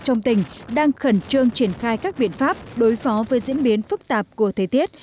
trong tỉnh đang khẩn trương triển khai các biện pháp đối phó với diễn biến phức tạp của thế tiết